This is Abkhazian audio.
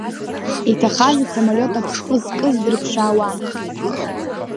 Иҭахаз асамолиот аԥсҟы зкыз дрыԥшаауан.